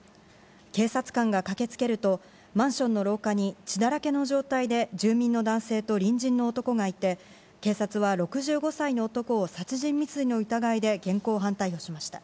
警察官が駆けつけると、マンションの廊下に血だらけの状態で住民の男性と隣人の男がいて、警察は、６５歳の男を殺人未遂の疑いで現行犯逮捕しました。